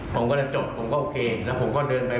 ผมก็จะจบผมก็โอเคแล้วผมก็เดินไป